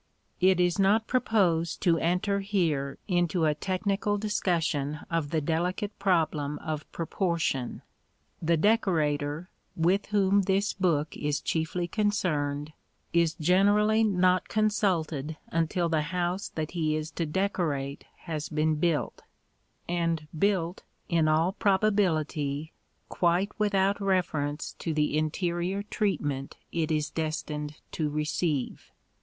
It is not proposed to enter here into a technical discussion of the delicate problem of proportion. The decorator, with whom this book is chiefly concerned, is generally not consulted until the house that he is to decorate has been built and built, in all probability, quite without reference to the interior treatment it is destined to receive.